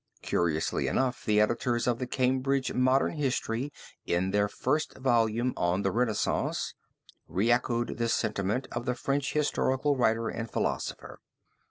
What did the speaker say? Curiously enough the editors of the Cambridge Modern History in their first volume on the Renaissance, re echoed this sentiment of the French historical writer and philosopher.